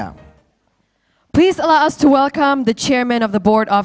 silakan kami mengundang ketua dewan komisaris